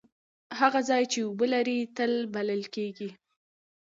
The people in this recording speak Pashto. هغه ځای چې اوبه لري تل بلل کیږي.